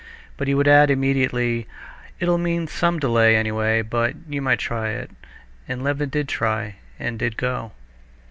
But he would add immediately, "It'll mean some delay, anyway, but you might try it." And Levin did try, and did go.